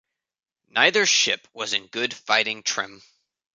Neither ship was in good fighting trim.